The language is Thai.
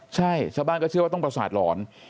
ใช่ชาวบ้านก็เชื่อว่าต้องประสาทหลอน